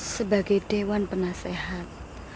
sebagai dewan penasehat